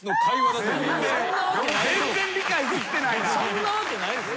そんなわけないです。